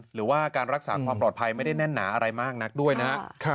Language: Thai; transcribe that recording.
หรือว่าการรักษาความปลอดภัยไม่ได้แน่นหนาอะไรมากนักด้วยนะครับ